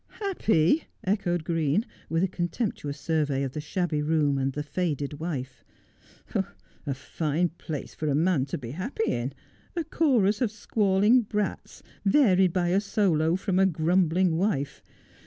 ' Happy !' echoed Green, with a contemptuous survey of the shabby room and the faded wife. 'A fine place for a man to be happy in — a chorus of squalling brats, varied by a solo from a grumbling wife.